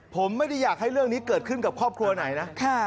ผมไม่ได้อยากให้เรื่องนี้เกิดขึ้นกับครอบครัวไหนนะ